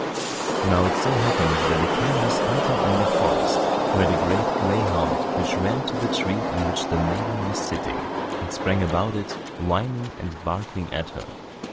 Now it so happened that a king was hunting in the forest, who had a great greyhound which ran to the tree on which the maiden was sitting, and sprang about it, whining, and barking at her.